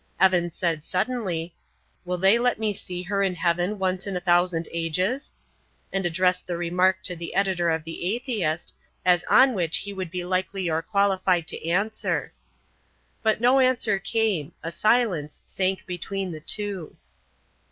Evan said suddenly: "Will they let me see her in heaven once in a thousand ages?" and addressed the remark to the editor of The Atheist, as on which he would be likely or qualified to answer. But no answer came; a silence sank between the two.